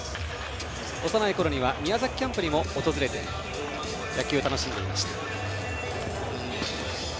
幼いころには宮崎キャンプにも訪れて野球を楽しんでいました。